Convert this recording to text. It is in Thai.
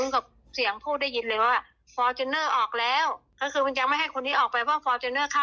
เดินเข้ามาเสร็จแล้วก็เขาเข้ามาชะงอกดูห้องที่ค่ะ